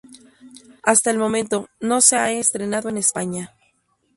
Hasta el momento, no se ha estrenado en España.